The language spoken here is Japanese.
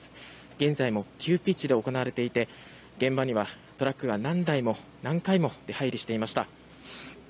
現在も急ピッチで行われていて現場にはトラックが何台も何回も出入りしていました。